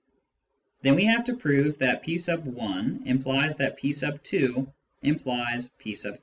Then we have to prove that p t implies that p 2 implies p 3